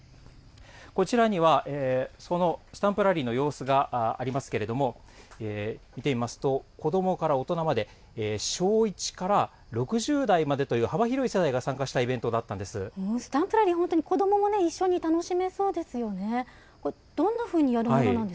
こちらには、そのスタンプラリーの様子がありますけれども、見てみますと、子どもから大人まで、小１から６０代までという幅広い世代が参加したイベントだったんスタンプラリー、本当に子どももね、一緒に楽しめそうですよね。